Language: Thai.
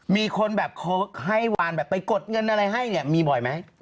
มีคนแบบให้วานแบบไปกดเงินอะไรให้เนี่ยมีบ่อยไหม